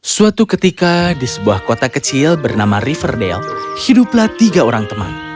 suatu ketika di sebuah kota kecil bernama riverdail hiduplah tiga orang teman